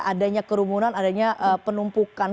adanya kerumunan adanya penumpukan